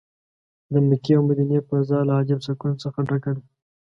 د مکې او مدینې فضا له عجب سکون څه ډکه ده.